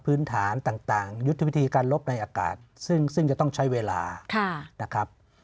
พื้นฐานต่างยุทธวิธีการลบในอากาศซึ่งจะต้องใช้เวลานะครับ